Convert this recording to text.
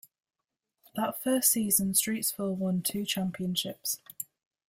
That first season Streetsville won two championships.